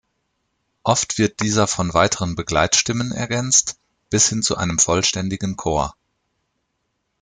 Oft wird dieser von weiteren Begleitstimmen ergänzt, bis hin zu einem vollständigen Chor.